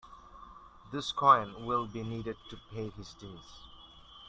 These coins will be needed to pay his debt.